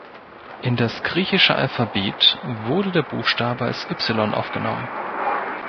In das griechische Alphabet wurde der Buchstabe als Ypsilon aufgenommen.